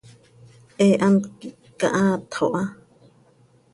He hant quih cahaatxo ha.